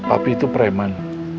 api itu preman